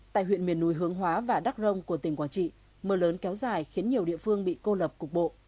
tại huyện miền núi hướng hóa và đắk rông của tỉnh quảng trị mưa lớn kéo dài khiến nhiều địa phương bị cô lập cục bộ